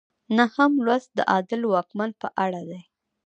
نهم لوست د عادل واکمن په اړه دی.